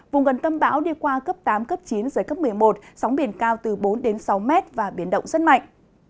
vùng gần tâm bão đi qua cấp tám cấp chín giới cấp một mươi một sóng biển cao từ bốn đến sáu mét và biển động rất mạnh